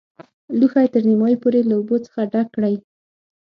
لوښی تر نیمايي پورې له اوبو څخه ډک کړئ.